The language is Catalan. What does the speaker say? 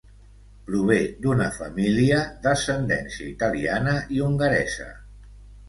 Prové d'una família d'ascendència italiana i hongaresa.